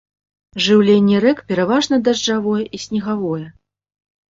Жыўленне рэк пераважна дажджавое і снегавое.